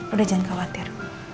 udah jangan khawatir